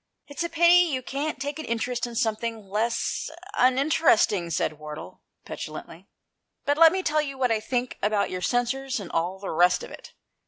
"It's a pity you can't take an interest in something less uninteresting," said Wardle, petulantly; "but let me tell you what I think about your censers and all the rest of it.